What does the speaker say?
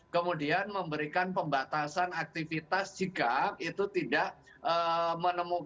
kemudian memberikan pembatasan aktivitas jika itu tidak menemukan